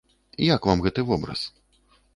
Як вам гэты вобраз?